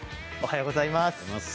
おはようございます。